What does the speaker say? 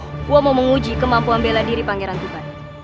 aku mau menguji kemampuan bela diri pangeran tupan